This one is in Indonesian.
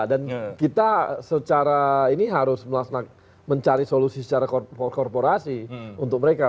dan kita secara ini harus melaksanakan mencari solusi secara korporasi untuk mereka